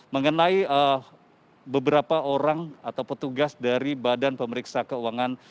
mengenai beberapa orang atau petugas dari badan pemeriksa keuangan